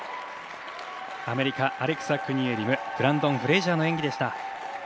アメリカ、アレクサ・クニエリムブランドン・フレイジャーの演技でした。